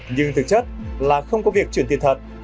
nhưng thực chất là không có việc chuyển tiền thật